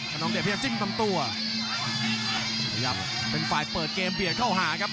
คนนองเดชยังจิ้มตำตัวขยับเป็นฝ่ายเปิดเกมเบียดเข้าหาครับ